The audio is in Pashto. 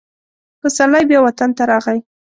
پسرلی بیا وطن ته راغی.